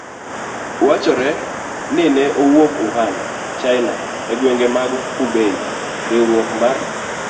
Wachore ni ne owuok Wuhan, China, e gwenge mag Hubei: Riwruok mar